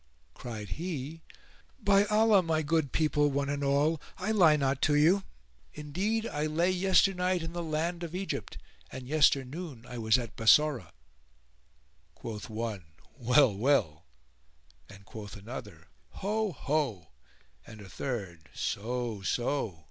[FN#436] Cried he, "By Allah, my good people, one and all, I lie not to you: indeed I lay yesternight in the land of Egypt and yesternoon I was at Bassorah." Quoth one, "Well! well!"; and quoth another, "Ho! ho!"; and a third, "So! so!"